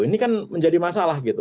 ini kan menjadi masalah gitu